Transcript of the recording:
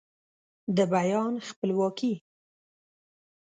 د بیان خپلواکي